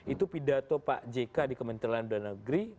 itu pidato pak jk di kementerian dalam negeri